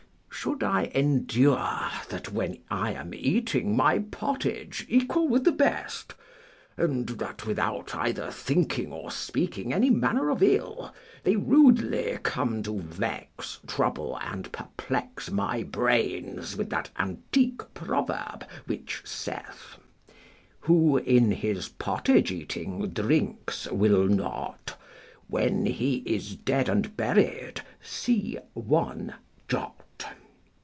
Should I endure that, when I am eating my pottage equal with the best, and that without either thinking or speaking any manner of ill, they rudely come to vex, trouble, and perplex my brains with that antique proverb which saith, Who in his pottage eating drinks will not, When he is dead and buried, see one jot.